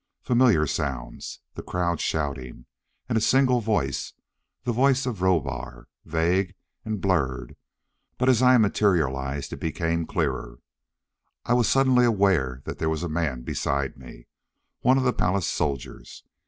Familiar sounds. The crowd shouting. And a single voice the voice of Rohbar. Vague and blurred, but as I materialized it became clearer. I was suddenly aware that there was a man beside me. One of the palace soldiers.